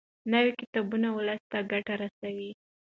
نوي کتابونه ولس ته ګټه رسوي.